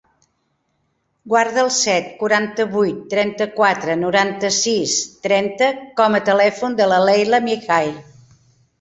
Guarda el set, quaranta-vuit, trenta-quatre, noranta-sis, trenta com a telèfon de la Leila Mihai.